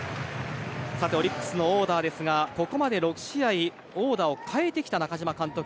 さてオリックスのオーダーですがここまで６試合オーダーを変えてきた中嶋監督。